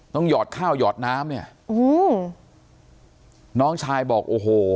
หยอดข้าวหยอดน้ำเนี่ยอืมน้องชายบอกโอ้โห